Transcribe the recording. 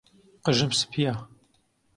قژم سپییە.